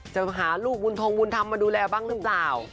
จะหาลูกบุญทงบุญธรรมมาดูแลบ้างหรือเปล่า